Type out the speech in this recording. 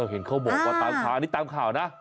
เห็นเขาบอกว่าตามข่าวนี้ตามข่าวนะ